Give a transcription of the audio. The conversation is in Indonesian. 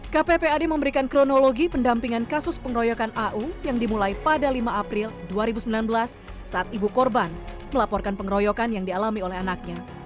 kppad memberikan kronologi pendampingan kasus pengeroyokan au yang dimulai pada lima april dua ribu sembilan belas saat ibu korban melaporkan pengeroyokan yang dialami oleh anaknya